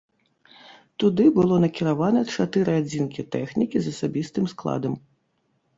Туды было накіравана чатыры адзінкі тэхнікі з асабістым складам.